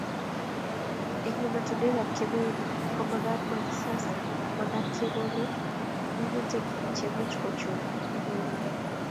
eng ematinwek ab Kemeut ko magatmakisas, magat kekolee minutik che much kochun eng' olindok